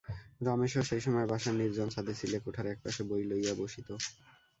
রমেশও সেই সময়ে বাসার নির্জন ছাদে চিলেকোঠার এক পাশে বই লইয়া বসিত।